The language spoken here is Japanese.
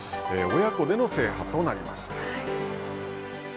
親子での制覇となりました。